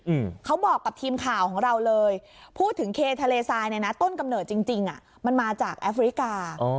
อืมเขาบอกกับทีมข่าวของเราเลยพูดถึงเคทะเลทรายเนี้ยนะต้นกำเนิดจริงจริงอ่ะมันมาจากแอฟริกาอ๋อ